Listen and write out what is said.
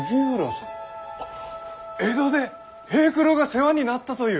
江戸で平九郎が世話になったという。